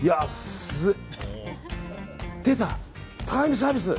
出た、タイムサービス！